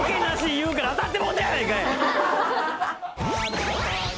言うから当たってもうたやないかい！